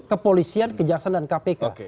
kepolisian kejaksaan dan kpk